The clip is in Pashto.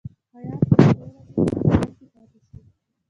هیات یو څو ورځې په پېښور کې پاتې شي.